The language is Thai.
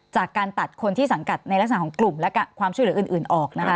จากการตัดคนที่สังกัดในลักษณะของกลุ่มและความช่วยเหลืออื่นออกนะคะ